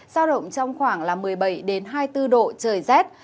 ra động trong khoảng một mươi bảy đến hai mươi bốn độ trời rét